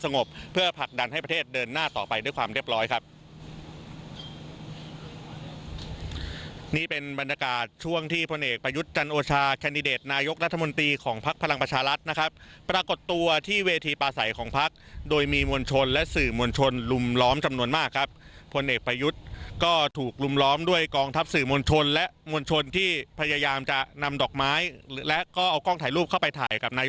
นี่เป็นบรรยากาศช่วงที่ผลเอกประยุทธ์จันทร์โอชาแคนนิเดตนายกรัฐมนตรีของพรรคพลังประชารัฐนะครับปรากฏตัวที่เวทีปลาใสของพรรคโดยมีมวลชนและสื่อมวลชนลุมล้อมจำนวนมากครับผลเอกประยุทธ์ก็ถูกลุ่มล้อมด้วยกองทัพสื่อมวลชนและมวลชนที่พยายามจะนำดอกไม้และก็เอากล้องถ่ายรูปเข้า